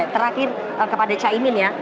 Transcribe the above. terakhir kepada cainin ya